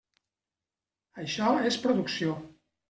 Això és producció.